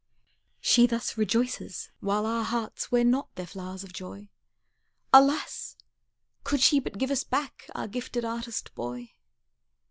She thus rejoices, while our hearts Wear not their flowers of joy. Alas! could she but give us back Our gifted artist boy!